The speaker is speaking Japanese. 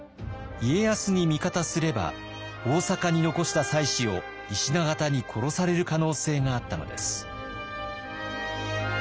家康に味方すれば大坂に残した妻子を石田方に殺される可能性があったのです。